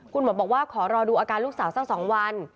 คุณหมอบอกว่าขอรอดูอาการลูกสาวสัก๒วัน